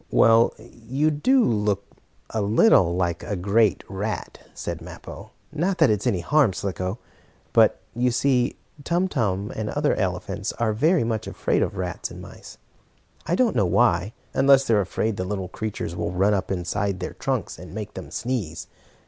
"Well, you do look a little like a great rat," said Mappo. "Not that it's any harm, Slicko. But, you see, Tum Tum and other elephants are very much afraid of rats and mice. I don't know why, unless they are afraid the little creatures will run up inside their trunks and make them sneeze.